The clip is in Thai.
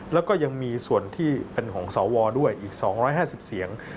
แล้วก็ยังมีส่วนที่เป็นของสวด้วยอีก๒๕๐เสียง